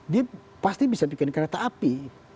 dia pasti bisa bikin kereta api